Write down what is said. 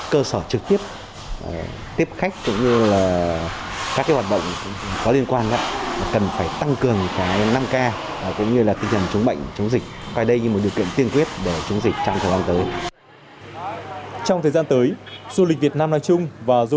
cơ sở dịch vụ đạt chuẩn đảm bảo an toàn phòng chống dịch covid một mươi chín